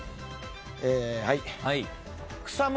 はい。